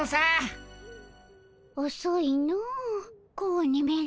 おそいの子鬼めら。